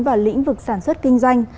và lĩnh vực sản xuất kinh doanh